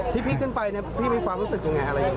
ทิพิกขึ้นไปพี่มีความรู้สึกอยู่ไหน